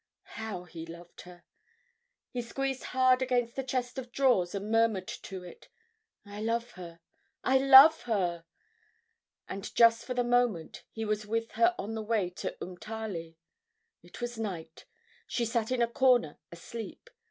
How he loved her! He squeezed hard against the chest of drawers and murmured to it, "I love her, I love her!" And just for the moment he was with her on the way to Umtali. It was night. She sat in a corner asleep.